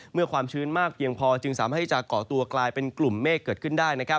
ความชื้นมากเพียงพอจึงสามารถให้จะเกาะตัวกลายเป็นกลุ่มเมฆเกิดขึ้นได้